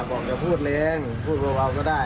บอกอย่าพูดแรงพูดเบาก็ได้